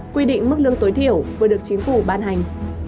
quy định mức lương tối thiểu vừa được chính phủ ban hành